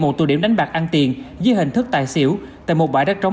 một tụ điểm đánh bạc ăn tiền dưới hình thức tài xỉu tại một bãi đất trống